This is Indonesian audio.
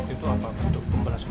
itu apa bentuk pembalasan